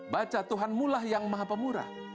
baca tuhanmulah yang maha pemurah